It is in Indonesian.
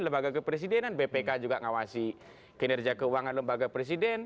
lembaga kepresidenan bpk juga ngawasi kinerja keuangan lembaga presiden